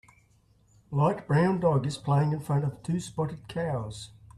A light brown dog is playing in front of two spotted cows.